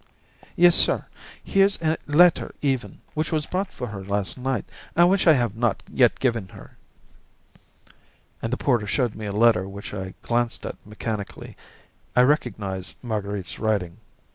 "Yes, sir; here's a letter even, which was brought for her last night and which I have not yet given her." And the porter showed me a letter which I glanced at mechanically. I recognised Marguerite's writing.